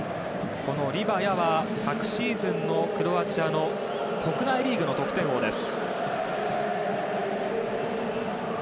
リバヤは、昨シーズンのクロアチアの国内リーグの得点王です。